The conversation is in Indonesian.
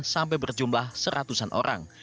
sampai berjumlah seratusan orang